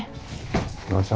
gak usah gak usah